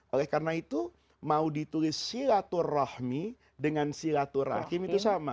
oleh karena itu mau ditulis silaturahmi dengan silaturahim itu sama